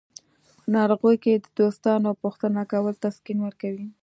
په ناروغۍ کې د دوستانو پوښتنه کول تسکین ورکوي.